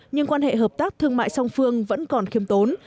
nhưng quan hệ hợp tác thương mại song phương vẫn còn khiêm tốn